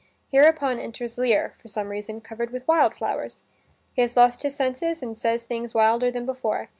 Hereupon enters Lear, for some reason covered with wild flowers. He has lost his senses and says things wilder than before.